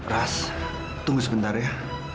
ras tunggu sebentar ya